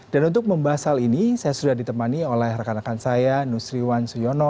dan untuk membahas hal ini saya sudah ditemani oleh rekan rekan saya nusriwan suyono